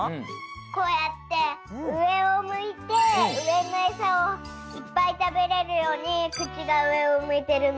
こうやってうえをむいてうえのエサをいっぱいたべれるようにくちがうえをむいてるの。